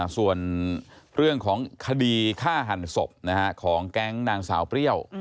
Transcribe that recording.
ส่วนเรื่องของคดีฆ่าหันศพของแก๊งนางสาวเปรี้ยว